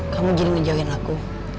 kamu jadi ngejauhin aku